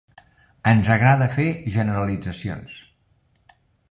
Ens agrada fer generalitzacions.